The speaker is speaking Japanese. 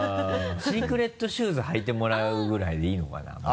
シークレットシューズ履いてもらうぐらいでいいのかな？